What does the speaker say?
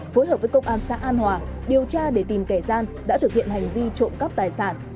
phối hợp với công an xã an hòa điều tra để tìm kẻ gian đã thực hiện hành vi trộm cắp tài sản